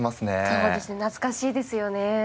そうですね懐かしいですよね。